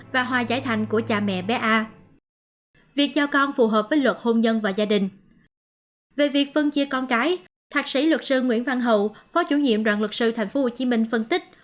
về việc phân chia con cái thạc sĩ luật sư nguyễn văn hậu phó chủ nhiệm đoàn luật sư tp hcm phân tích